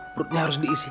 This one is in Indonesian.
perutnya harus diisi